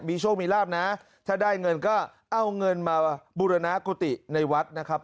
มีโชคมีลาบนะถ้าได้เงินก็เอาเงินมาบุรณกุฏิในวัดนะครับ